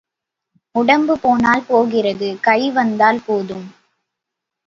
உடம்பு போனால் போகிறது கை வந்தால் போதும்.